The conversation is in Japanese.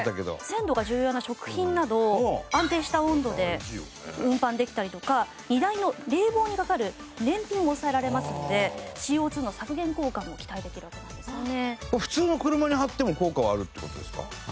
鮮度が重要な食品など安定した温度で運搬できたりとか荷台の冷房にかかる燃費も抑えられますのでＣＯ２の削減効果も期待できるわけなんですよね。